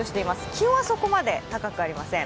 気温はそこまで高くありません。